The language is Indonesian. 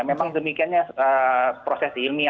memang demikiannya proses ini